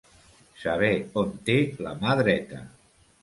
Saber on té la mà dreta.